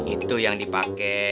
itu yang dipake